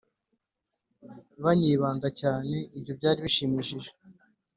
banyibanda cyane, ibyo byari bishimishije